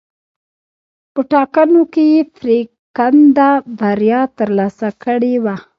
په ټاکنو کې یې پرېکنده بریا ترلاسه کړې وه.